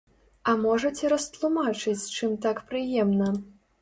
А можаце растлумачыць чым так прыемна?